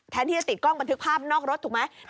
ที่จะติดกล้องบันทึกภาพนอกรถถูกไหม